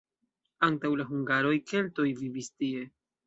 Antaŭ la hungaroj keltoj vivis tie.